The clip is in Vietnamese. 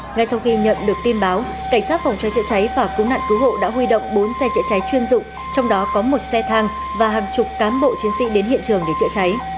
ngay sau khi nhận được tin báo cảnh sát phòng cháy chữa cháy và cứu nạn cứu hộ đã huy động bốn xe chữa cháy chuyên dụng trong đó có một xe thang và hàng chục cán bộ chiến sĩ đến hiện trường để chữa cháy